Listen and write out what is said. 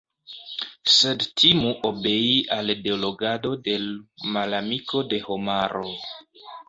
Sed timu obei al delogado de l' malamiko de homaro.